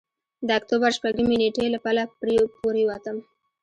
د اکتوبر شپږمې نېټې له پله پورېوتم.